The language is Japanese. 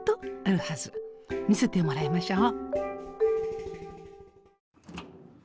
見せてもらいましょう。